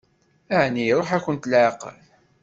Ɛni iṛuḥ-akent leɛqel?